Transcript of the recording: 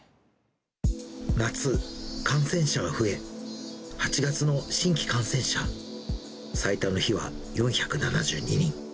夏、感染者は増え、８月の新規感染者、最多の日は４７２人。